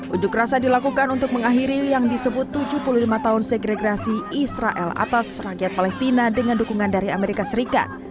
unjuk rasa dilakukan untuk mengakhiri yang disebut tujuh puluh lima tahun segregrasi israel atas rakyat palestina dengan dukungan dari amerika serikat